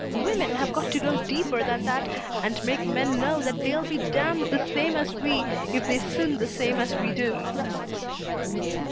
Women have got to go deeper than that and make men know that they'll be damned the same as we if they sin the same as we do."